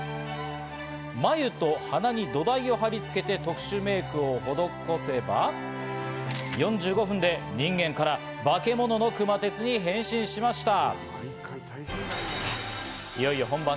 眉と鼻に土台を貼り付けて特殊メイクを施せば、４５分で人間からバケモノの熊徹に変身しました。